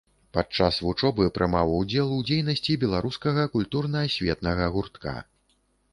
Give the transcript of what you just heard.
Падчас вучобы прымаў удзел у дзейнасці беларускага культурна-асветнага гуртка.